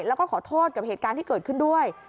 แล้วก็ขอโทษกับเหตุการณ์ที่เกิดขึ้นด้วย